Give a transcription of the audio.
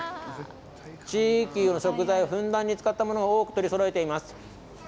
地域の食材をふんだんに使ったものを多く取りそろえています。